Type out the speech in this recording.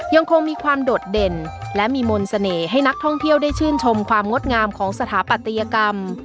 ยังคงมีความโดดเด่นและมีมนต์เสน่ห์ให้นักท่องเที่ยวได้ชื่นชมความงดงามของสถาปัตยกรรม